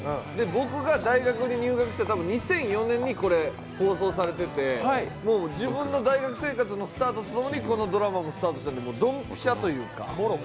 僕が大学に入学した２００４年に放送されてて自分の大学生活のスタートとともにこのドラマもスタートするという、ドンピシャというか。